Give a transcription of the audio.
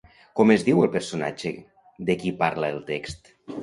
Com es diu el personatge de qui parla el text?